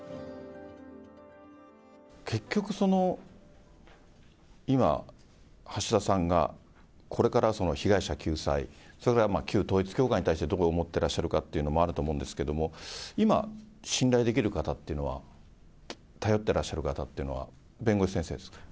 結局、今、橋田さんが、これから被害者救済、それから旧統一教会に対してどう思ってらっしゃるかというのもあると思うんですけど、今、信頼できる方っていうのは、頼ってらっしゃる方っていうのは、弁護士先生ですか？